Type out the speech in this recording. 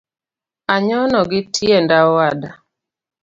Anyono gi tienda owada